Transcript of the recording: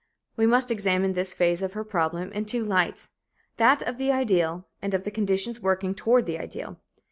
We must examine this phase of her problem in two lights that of the ideal, and of the conditions working toward the ideal.